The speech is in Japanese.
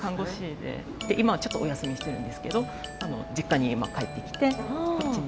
で今はちょっとお休みしてるんですけど実家に今帰ってきてこっちに。